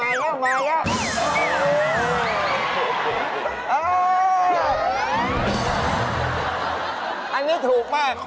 อันนี้ถูกมาก